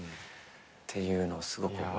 っていうのをすごく覚えてる。